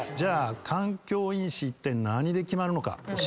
環境因子って何で決まるのか？